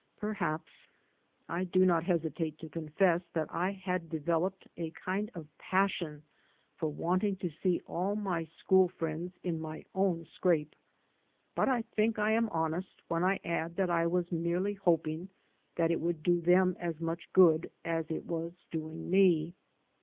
Perhaps. I do not hesitate to confess that I had developed a kind of passion for wanting to see all my school friends in my own scrape, but I think I am honest when I add that I was merely hoping that it would do them as much good as it was doing me.